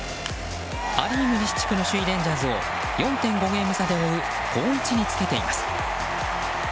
ア・リーグ西地区の首位レンジャーズを４．５ゲーム差で追う好位置につけています。